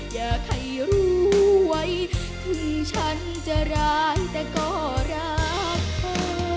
อย่าใครรู้ไว้ถึงฉันจะร้ายแต่ก็รักเธอ